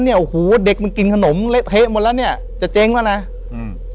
เนี้ยโอ้โหเด็กมันกินขนมเละเทะหมดแล้วเนี้ยจะเจ๊งแล้วนะอืม